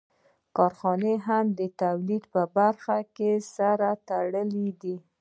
کارخانې هم د تولید په برخه کې سره تړلې دي